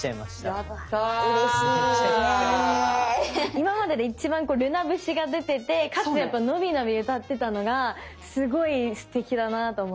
今までで一番瑠夏節が出ててかつ伸び伸び歌ってたのがすごいすてきだなと思って。